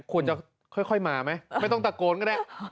ควรจะค่อยมาไหมไม่ต้องตะโกนก็ได้